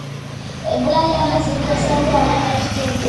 Ebbula ly'amazzi likosa nnyo abantu mu kitundu.